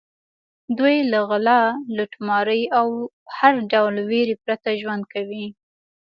دوی له غلا، لوټمارۍ او هر ډول وېرې پرته ژوند کوي.